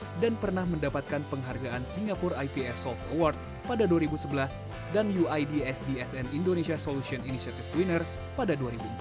pertama the learning farm mendapatkan penghargaan singapore ips soft award pada dua ribu sebelas dan uid sdsn indonesia solution initiative winner pada dua ribu empat belas